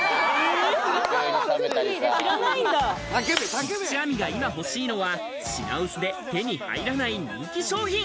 菊地亜美が今欲しいのは、品薄で手に入らない人気商品。